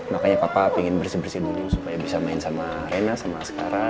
makanya papa pingin bersih bersih dulu supaya bisa main sama rena sama skara